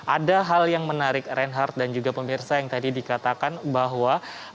ada hal yang menarik reinhardt dan juga pemirsa yang tadi dikatakan bahwa